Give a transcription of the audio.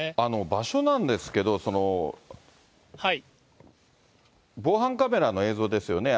場所なんですけど、防犯カメラの映像ですよね。